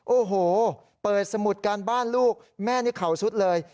โอ้โหเปิดสมุดการบ้านลูกแม่นี่เขาสุดเลย